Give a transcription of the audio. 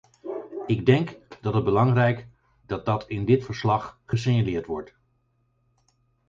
Ik denk dat het belangrijk dat dat in dit verslag gesignaleerd wordt.